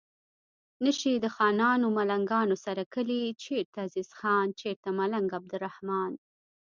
نشي د خانانو ملنګانو سره کلي چرته عزیز خان چرته ملنګ عبدالرحمان